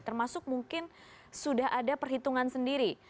termasuk mungkin sudah ada perhitungan sendiri